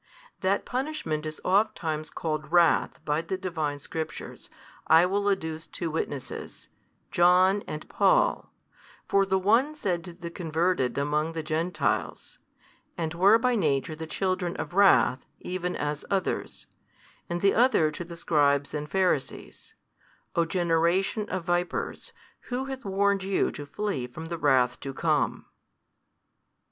That punishment is ofttimes called wrath by the Divine Scriptures, I will adduce two witnesses, Paul and John: for the one said to the converted among the Gentiles, And were by nature the children of wrath, even as others; and the other to the Scribes and Pharisees, O generation of vipers, who hath warned you to flee from the wrath to come?